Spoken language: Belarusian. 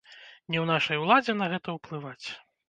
Не ў нашай уладзе на гэта ўплываць!